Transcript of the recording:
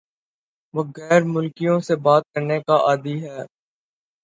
وہ غیر ملکیوں سے بات کرنے کا عادی ہے